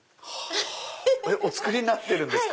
お作りになってるんですか？